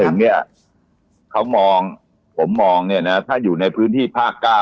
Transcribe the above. เนี่ยเขามองผมมองเนี่ยนะถ้าอยู่ในพื้นที่ภาค๙